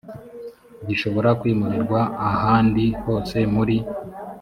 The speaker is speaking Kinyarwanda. gishobora kwimurirwa ahandi hose muri